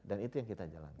dan itu yang kita jalankan